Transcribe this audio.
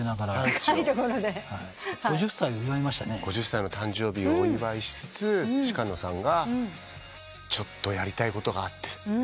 ５０歳の誕生日をお祝いしつつ鹿野さんが「ちょっとやりたいことがあって」